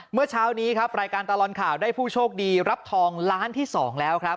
เมื่อเช้านี้ครับรายการตลอดข่าวได้ผู้โชคดีรับทองล้านที่๒แล้วครับ